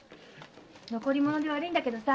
残り物で悪いんだけどさ